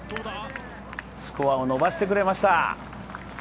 スコアを伸ばしてくれました。